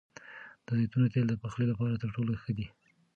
د زیتون تېل د پخلي لپاره تر ټولو ښه دي.